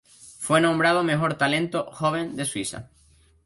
Fue nombrado mejor talento joven de Suiza.